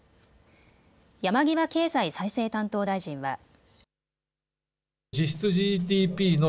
山際経済再生担当大臣は。